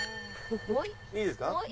いいですか？